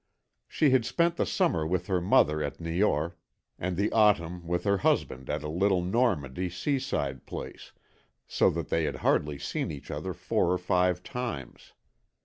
She had spent the summer with her mother at Niort, and the autumn with her husband at a little Normandy seaside place, so that they had hardly seen each other four or five times.